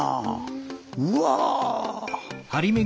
うわ！